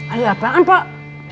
ada apaan pak